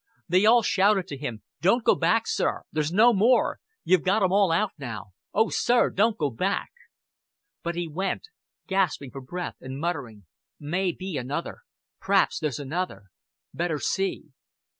They all shouted to him. "Don't go back, sir. There's no more. You've got 'em all out now. Oh, sir, don't go back." But he went, gasping for breath, and muttering, "May be another. P'raps there's another. Better see."